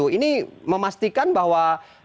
ini memastikan bahwa